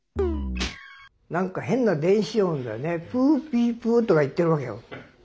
何か変な電子音がねプーピープーとかいってるわけよ。